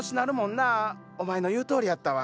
お前の言うとおりやったわ。